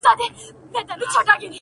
• خر غریب هم یوه ورځ په هرها سو,